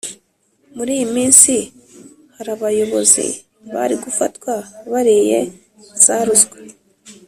Muriyi minsi harabayobozi bari gufatwa bariye za ruswa